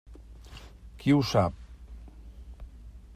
Qui ho sap?